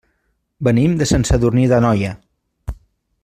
Venim de Sant Sadurní d'Anoia.